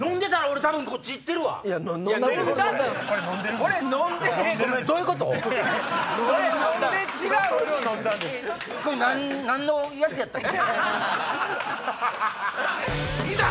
これ何のやつやったっけ？